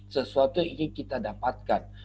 sesuatu yang ingin kita dapatkan